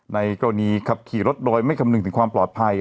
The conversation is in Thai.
ในกรณีขับขี่รถโดยไม่คำนึงถึงความปลอดภัย